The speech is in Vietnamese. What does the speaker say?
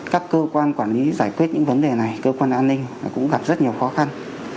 các cơ quan quản lý giải quyết những vấn đề này cơ quan an ninh cũng gặp rất nhiều khó khăn